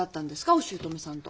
お姑さんと。